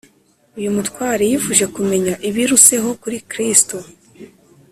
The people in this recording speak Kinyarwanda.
Uyu mutware yifuje kumenya ibiruseho kuri Kristo